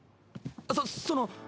そその。